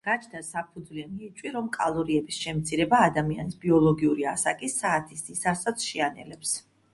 გაჩნდა საფუძვლიანი ეჭვი, რომ კალორიების შემცირება ადამიანის ბიოლოგიური ასაკის საათის ისარსაც შეანელებს.